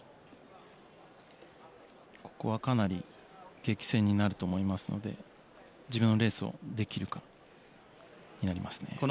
ここはかなり激戦になると思いますので自分のレースをできるかになりますね。